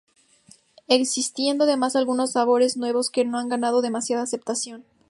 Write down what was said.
Existiendo además algunos sabores nuevos que no han ganado demasiada aceptación.